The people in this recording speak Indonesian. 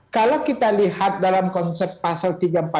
kalau kita lihat dalam konsep pasal tiga ratus empat puluh